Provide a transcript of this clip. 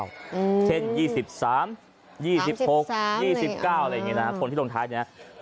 อืมเช่นยี่สิบสามยี่สิบสามยี่สิบสามยี่สิบเก้าอะไรอย่างงี้นะคนที่ลงท้ายอย่างงี้นะ